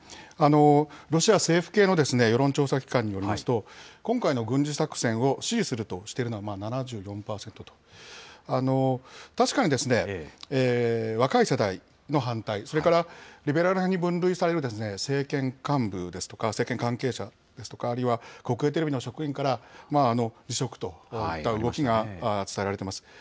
ロシア政府系の世論調査機関によりますと、今回の軍事作戦を支持するとしているのは７４％と、確かに、若い世代の反対、それからリベラル派に分類される政権幹部ですとか、政権関係者ですとか、あるいは国営テレビの職員から、辞職といった動きが伝えられています。